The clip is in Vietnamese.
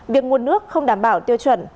việc nguồn nước không đảm bảo tiêu chuẩn